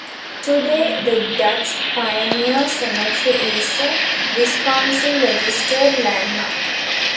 Today the Dutch Pioneer Cemetery is a Wisconsin registered landmark.